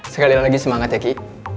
sekali lagi semangat ya ki